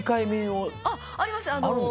ありますよ。